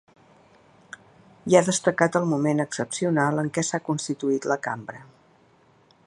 I ha destacat el moment excepcional en què s’ha constituït la cambra.